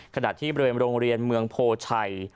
ขณะที่บริเวณโรงเรียนเมืองโพชัย